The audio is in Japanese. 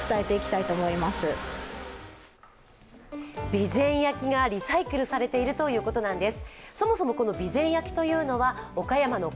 備前焼がリサイクルされているということなんです。